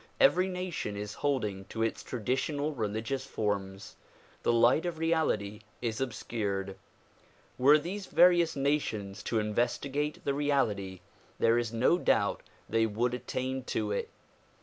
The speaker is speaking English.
Every nation is holding to its traditional religious forms. The light of reality is obscured. Were these various nations to investigate the reality, there is no doubt they would attain to it.